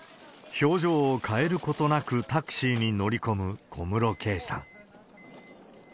表情を変えることなく、タクシーに乗り込む小室圭さん。